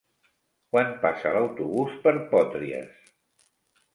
Quan passa l'autobús per Potries?